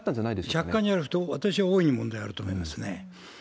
若干じゃなくて、私は大いに問題あると思いますね。